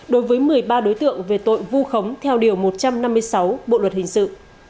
đối với một mươi ba đối tượng về tội vu khống theo điều một trăm năm mươi sáu bộ luật hình sự